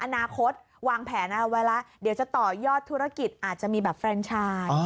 อนาคตวางแผนเอาไว้แล้วเดี๋ยวจะต่อยอดธุรกิจอาจจะมีแบบแฟนชาย